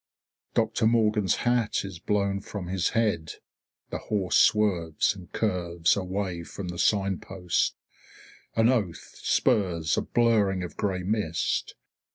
Dr. Morgan's hat is blown from his head, the horse swerves, and curves away from the sign post. An oath spurs a blurring of grey mist.